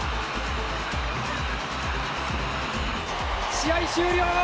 試合終了！